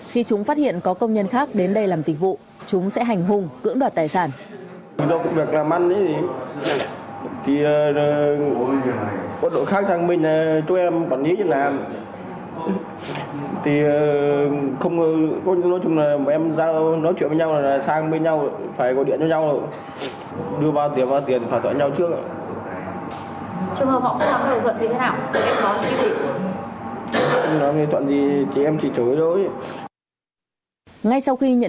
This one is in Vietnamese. khi chúng phát hiện có công nhân khác đến đây làm dịch vụ chúng sẽ hành hung cứng đoạt tài sản